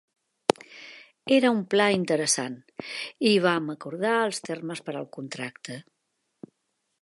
Era un pla interessant i vam acordar els termes per al contracte.